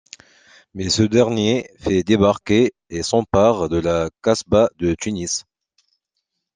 Mais ce dernier fait débarquer et s'empare de la kasbah de Tunis.